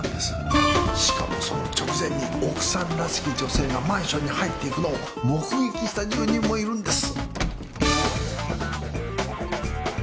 しかもその直前に奥さんらしき女性がマンションに入って行くのを目撃した住人もいるんです